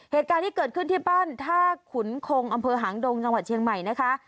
เหตุการณ์ที่เกิดขึ้นที่บ้านท่าขุนคงอำเภอหางดงจังหวัดเชียงใหม่นะคะ